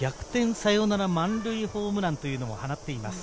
サヨナラ満塁ホームランを放っています。